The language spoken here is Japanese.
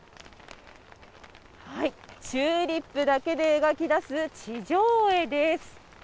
チューリップだけで描き出す、地上絵です。